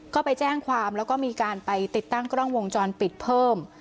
ก็ไปแจ้งความแล้วก็มีการไปติดตั้งกล้องวงจรปิดเพิ่ม